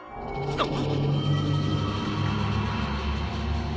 あっ！